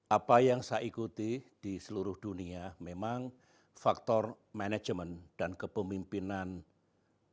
apa yang saya ikuti di seluruh dunia memang faktor manajemen dan kepemimpinan